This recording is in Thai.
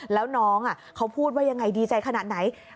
แล้วน้องเขาพูดว่ายังไงดีใจขนาดไหน